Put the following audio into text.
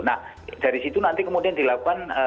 nah dari situ nanti kemudian dilakukan